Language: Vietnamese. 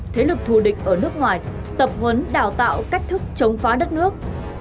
thế lực thù địch ở nước ngoài tập huấn đào tạo cách thức chống phá đất nước